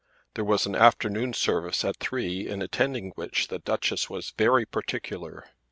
There was an afternoon service at three in attending which the Duchess was very particular.